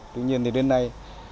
tuy nhiên thì đến nay